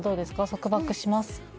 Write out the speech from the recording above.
束縛しますか？